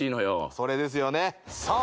それですよねさあ